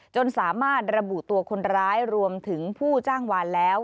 จนสามารถระบุตัวคนร้ายรวมถึงผู้จ้างวานแล้ว